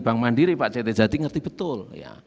bank mandiri pak cetiajati ngerti betul